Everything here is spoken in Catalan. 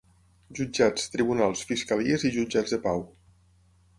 Jutjats, tribunals, fiscalies i jutjats de pau.